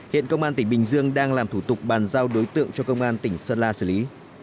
hiện công an tỉnh bình dương đang làm thủ tục bàn giao đối tượng cho công an tỉnh sơn la xử lý